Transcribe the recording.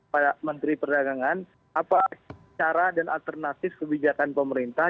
pak menteri perdagangan apa cara dan alternatif kebijakan pemerintah